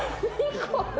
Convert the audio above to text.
これ。